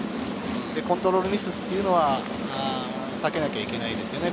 で、コントロールミスっていうのは裂けなければいけないですね。